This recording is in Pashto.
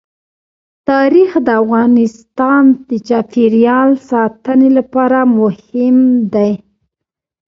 تاریخ د افغانستان د چاپیریال ساتنې لپاره مهم دي.